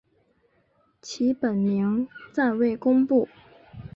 其本名暂未公布。